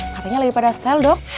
katanya lebih pada sel dok